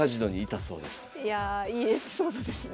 いやいいエピソードですね。